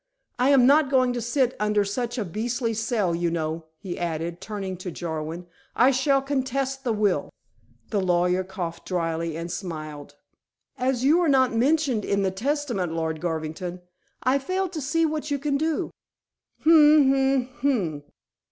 I am not going to sit under such a beastly sell you know," he added, turning to Jarwin. "I shall contest the will." The lawyer coughed dryly and smiled. "As you are not mentioned in the testament, Lord Garvington, I fail to see what you can do." "Hum! hum! hum!"